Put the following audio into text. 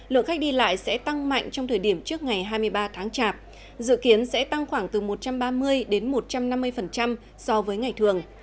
lượng khách đi lại sẽ tăng mạnh trong thời điểm trước ngày hai mươi ba tháng chạp dự kiến sẽ tăng khoảng từ một trăm ba mươi đến một trăm năm mươi so với ngày thường